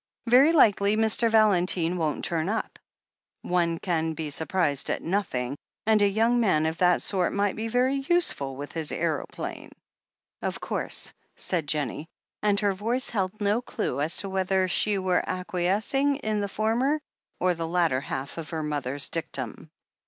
"Very likely Mr. Valentine won't turn up— one can be sur prised at nothing, and a young man of that sort might be very useful, with his aeroplane." "Of course," said Jennie, and her voice held no clue as to whether she were acquiescing in the former or the latter half of her mother's dictum.